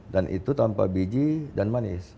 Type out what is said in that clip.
dan itu tanpa biji dan manis